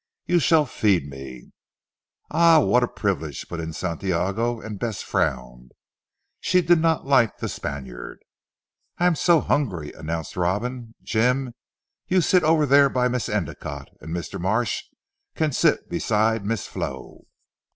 "You shall feed me." "Ah, what a privilege!" put in Santiago and Bess frowned. She did not like the Spaniard. "I am so hungry," announced Robin. "Jim, you sit over there by Miss Endicotte, and Mr. Marsh can sit beside Miss Flo."